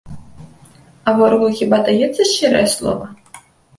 А ворагу хіба даецца шчырае слова?